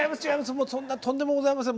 そんなとんでもございません。